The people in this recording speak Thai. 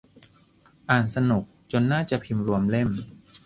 อ่านสนุก จนน่าจะพิมพ์รวมเล่ม